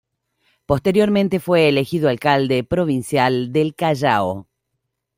Posteriormente fue elegido alcalde provincial del Callao.